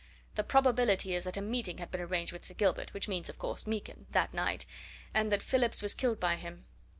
The probability is that a meeting had been arranged with Sir Gilbert which means, of course, Meekin that night, and that Phillips was killed by him.